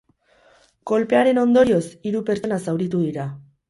Kolpearen ondorioz, hiru pertsona zauritu dira.